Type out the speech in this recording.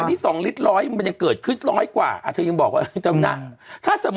วันนี้๒ลิตร๑๐๐มันก่อนจะเกิด๑๐๐กว่าอ่ะเธอยังบอกนะนั่น